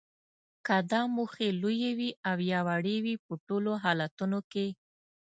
که دا موخې لویې وي او یا وړې وي په ټولو حالتونو کې